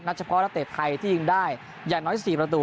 เฉพาะนักเตะไทยที่ยิงได้อย่างน้อย๔ประตู